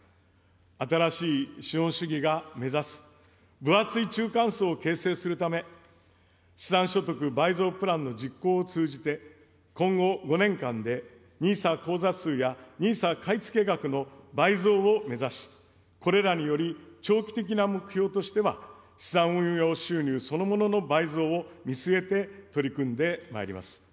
新しい資本主義が目指す分厚い中間層を形成するため、資産所得倍増プランの実行を通じて、今後５年間で、ＮＩＳＡ口座数やＮＩＳＡ買付額の倍増を目指し、これらにより、長期的な目標としては、資産運用収入そのものの倍増を見据えて取り組んでまいります。